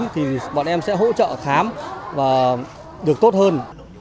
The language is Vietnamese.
thì bọn em sẽ hỗ trợ khám và được tốt hơn